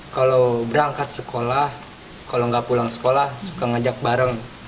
kalau berangkat sekolah kalau nggak pulang sekolah suka ngajak bareng